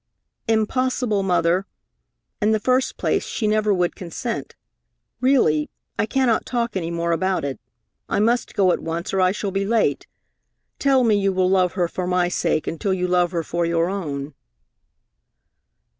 "Impossible, Mother! In the first place, she never would consent. Really, I cannot talk any more about it. I must go at once, or I shall be late. Tell me you will love her for my sake, until you love her for her own."